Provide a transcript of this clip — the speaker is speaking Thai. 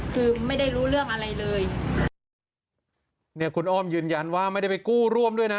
คือไม่ได้รู้เรื่องอะไรเลยเนี่ยคุณอ้อมยืนยันว่าไม่ได้ไปกู้ร่วมด้วยนะ